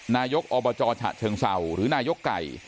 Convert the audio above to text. นายกอบจฉะเชิงเศร้าหรือนายกไก่